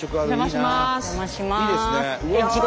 お邪魔します。